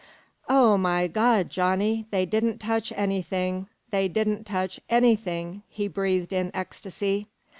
"Oh, my Gawd, Johnny, they didn't touch anything! They didn't touch anything!" he breathed in ecstasy.